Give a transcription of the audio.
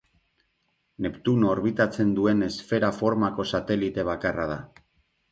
Neptuno orbitatzen duen esfera formako satelite bakarra da.